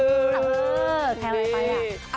แค่ไรไปอ่ะ